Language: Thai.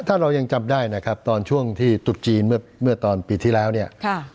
ถ้าเรายังจำได้นะครับตอนช่วงที่ตุดจีนเมื่อตอนปีที่แล้วเนี่ย